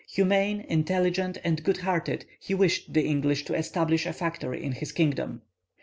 Humane, intelligent, and good hearted, he wished the English to establish a factory in his kingdom.